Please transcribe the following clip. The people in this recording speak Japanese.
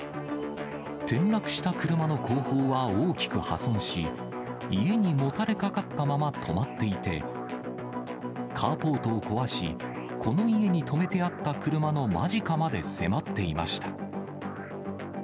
転落した車の後方は大きく破損し、家にもたれかかったまま止まっていて、カーポートを壊し、この家に止めてあった車の間近まで迫っていました。